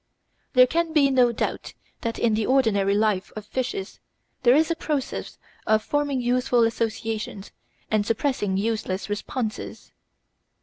There can be no doubt that in the ordinary life of fishes there is a process of forming useful associations and suppressing useless responses.